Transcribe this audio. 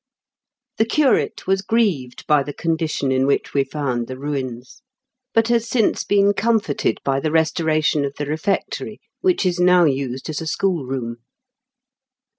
The curate was grieved by the condition in which we found the ruins, but has since been comforted by the restoration of the refectory, which is now used as a school room.